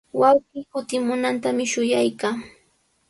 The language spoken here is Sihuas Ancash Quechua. Wawqii kutimunantami shuyaykaa.